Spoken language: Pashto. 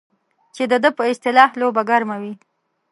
چې د ده په اصطلاح لوبه ګرمه وي.